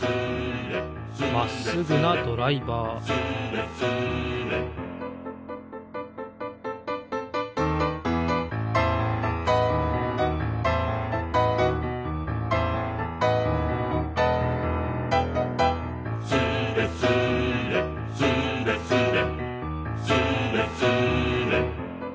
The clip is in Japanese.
まっすぐなドライバー「スレスレ」「スレスレスーレスレ」